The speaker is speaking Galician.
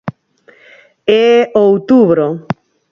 É outubro.